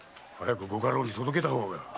早くご家老に届けた方が。